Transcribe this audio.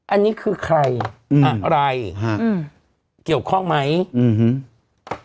อันนี้คือใครอะไรเกี่ยวข้องไหมฮึม